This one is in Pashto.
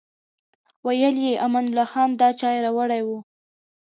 ویل یې امان الله خان دا چای راوړی و.